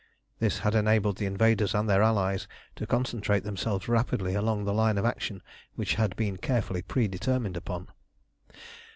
This had enabled the invaders and their allies to concentrate themselves rapidly along the line of action which had been carefully predetermined upon.